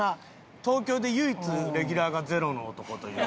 東京で唯一レギュラーが０の男という事で。